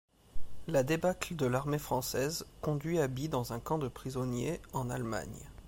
La débâcle de l'armée française conduit Aby dans un camp de prisonniers en Allemagne.